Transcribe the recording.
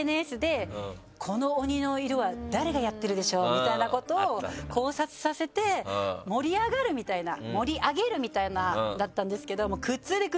みたいなことを考察させて盛り上がるみたいな盛り上げるみたいなのだったんですけど。